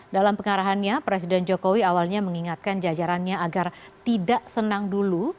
dalam pengarahannya presiden jokowi awalnya mengingatkan jajarannya agar tidak senang dulu